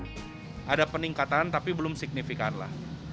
kalau digambarin peningkatannya berapa